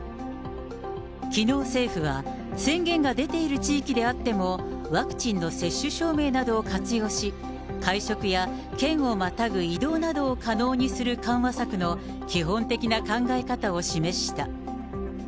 きのう政府は、宣言が出ている地域であっても、ワクチンの接種証明などを活用し、会食や県をまたぐ移動などを可能にする緩和策の基本的な考え方を示した。